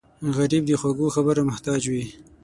غریب د خوږو خبرو محتاج وي